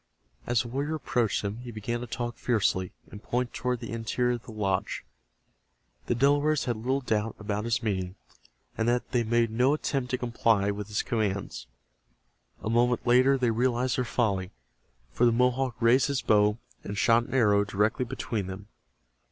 As the warrior approached them he began to talk fiercely, and point toward the interior of the lodge. The Delawares had little doubt about his meaning, and yet they made no attempt to comply with his commands. A moment later they realized their folly, for the Mohawk raised his bow and shot an arrow directly between them.